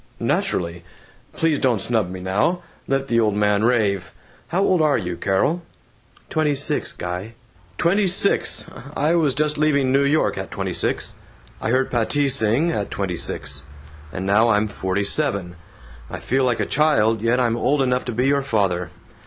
"Naturally! Please don't snub me now! Let the old man rave. How old are you, Carol?" "Twenty six, Guy." "Twenty six! I was just leaving New York, at twenty six. I heard Patti sing, at twenty six. And now I'm forty seven. I feel like a child, yet I'm old enough to be your father.